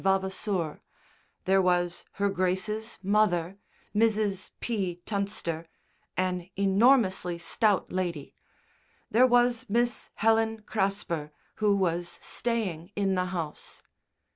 Vavasour; there was Her Grace's mother, Mrs. P. Tunster (an enormously stout lady); there was Miss Helen Crasper, who was staying in the house.